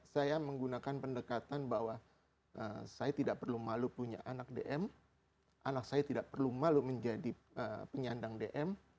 saya menggunakan pendekatan bahwa saya tidak perlu malu punya anak dm anak saya tidak perlu malu menjadi penyandang dm